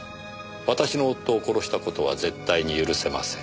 「私の夫を殺したことは絶対に許せません」